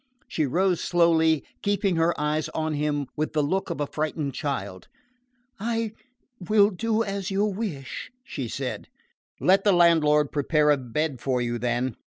She rose slowly, keeping her eyes on him with the look of a frightened child. "I will do as you wish," she said. "Let the landlord prepare a bed for you, then.